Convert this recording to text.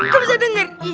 kok bisa denger